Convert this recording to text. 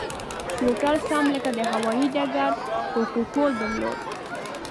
هوټل سم لکه د هوایي ډګر پروتوکول درلود.